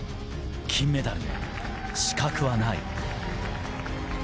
金メダルへ死角はない。